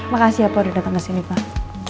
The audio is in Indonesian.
makasih ya pak udah datang ke sini pak